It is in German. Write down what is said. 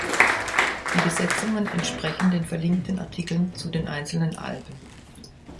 Die Besetzungen entsprechen den verlinkten Artikeln zu den einzelnen Alben.